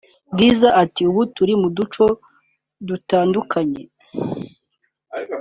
Bwiza ati “Ubu turi mu duce dutandukanye